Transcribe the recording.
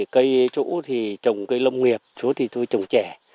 cây chỗ thì trồng cây lông nghiệp xuống thì tôi trồng trẻ